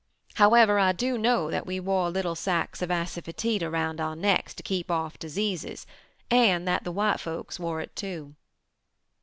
However, I do know that we wore little sacks of asafetida around our necks to keep off diseases, and the white folks wore it too.